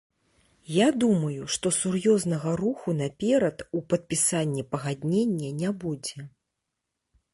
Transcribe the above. Я думаю, што сур'ёзнага руху наперад у падпісанні пагаднення не будзе.